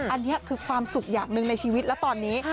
อันนี้คือความสุขอย่างหนึ่งในชีวิตแล้วตอนนี้